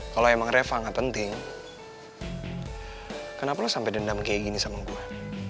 kalau emang reva gak penting kenapa lo sampai dendam kayak gini sama gue